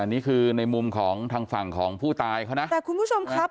นี่คือในมุมของทางฝั่งของผู้ตายเขานะแต่คุณผู้ชมครับ